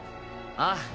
ああ。